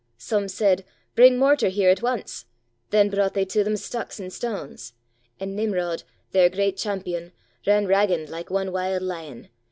Some said, Bring mortar here at ance; Then brocht they to them stocks and stanes; And Nimrod, their great champion. Ran ragand like ane wild lion.